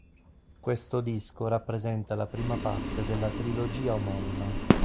Questo disco rappresenta la prima parte della trilogia omonima.